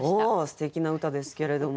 すてきな歌ですけれども。